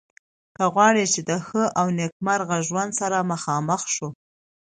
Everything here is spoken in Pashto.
که غواړو چې د ښه او نیکمرغه ژوند سره مخامخ شو.